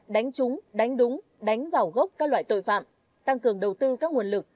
đánh trúng đánh đúng đánh vào gốc các loại tội phạm tăng cường đầu tư các nguồn lực